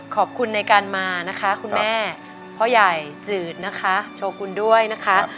ขอบคุณในการมานะคะคุณแม่พ่อใหญ่จืดนะคะโชว์คุณด้วยนะคะ